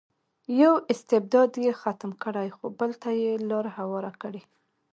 یو استبداد یې ختم کړی خو بل ته یې لار هواره کړې.